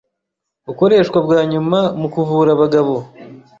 ukoreshwa bwa nyuma mu kuvura abagabo